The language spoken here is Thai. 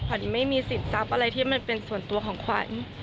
ไม่มีสิทธิ์ทรัพย์อะไรที่มันเป็นส่วนตัวของขวัญ